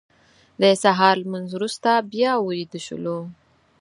د سهار لمونځ وروسته بیا ویده شولو.